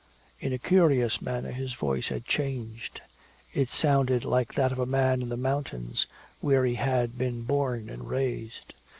In a curious manner his voice had changed. It sounded like that of a man in the mountains, where he had been born and raised.